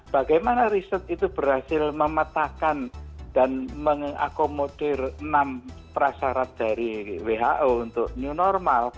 bagaimana research itu berhasil mematakan dan mengakomodir enam prasyarat dari who untuk new normal